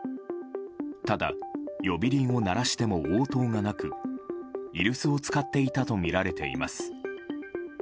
ただ、呼び鈴を鳴らしても応答がなく居留守を使っていたとみられています。